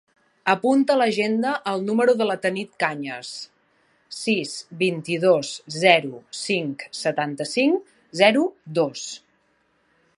Apunta a l'agenda el número de la Tanit Cañas: sis, vint-i-dos, zero, cinc, setanta-cinc, zero, dos.